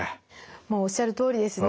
もうおっしゃるとおりですね。